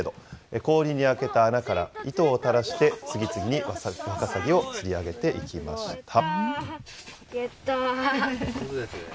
氷に開けた穴から糸を垂らして次々にワカサギを釣り上げていきまやったー。